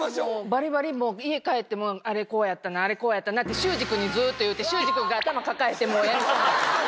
バリバリ家帰ってもあれこうやったなあれこうやったなって修士君にずっと言うて修士君が頭抱えてもう病みそうになってる。